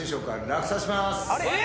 落札します。